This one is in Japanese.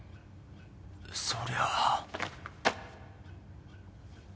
そりゃあ。